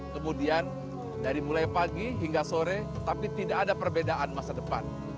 kemudian dari mulai pagi hingga sore tapi tidak ada perbedaan masa depan